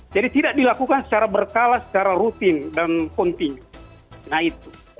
jadi tidak dilakukan secara berkala secara rutin dan kontinu